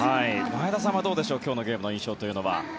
前田さんはどうでしょう今日のゲームの印象というのは。